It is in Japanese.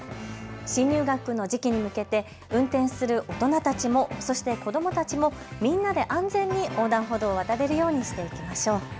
新入学の時期に向けて運転する大人たちもそして子どもたちもみんなで安全に横断歩道を渡れるようにしていきましょう。